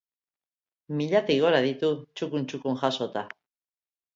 Milatik gora ditu txukun txukun jasota.